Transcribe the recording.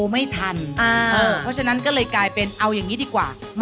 มีแล้วครับ